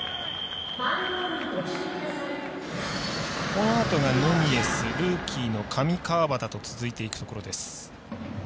このあとがヌニエスルーキーの上川畑と続いていくところです。